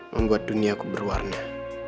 membuat duniaku berwarna